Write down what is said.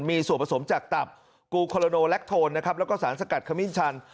มีส่วนผสมจากตับกลูครโลโนแลกโทนและสารสกัดขมิชัน